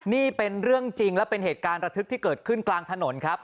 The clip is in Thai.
นี่เป็นเรื่องจริงและเป็นเหตุการณ์ระทึกที่เกิดขึ้นกลางถนนครับ